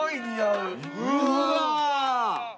うわ！